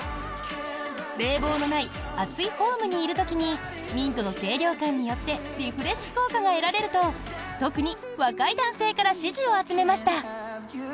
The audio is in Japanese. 冷房のない暑いホームにいる時にミントの清涼感によってリフレッシュ効果が得られると特に若い男性から支持を集めました。